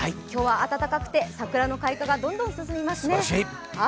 今日は暖かくて桜の開花がどんどん進みますね。